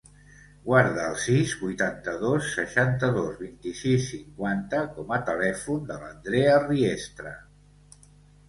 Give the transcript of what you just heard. Guarda el sis, vuitanta-dos, seixanta-dos, vint-i-sis, cinquanta com a telèfon de l'Andrea Riestra.